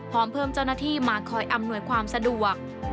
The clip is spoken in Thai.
พร้อมเพิ่มเจ้าหน้าที่มาคอยอำนวยความสะดวก